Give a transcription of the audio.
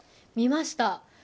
見ました。